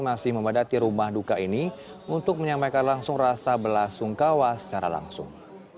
masih memadati rumah duka ini untuk menyampaikan langsung rasa belasungkawa secara langsung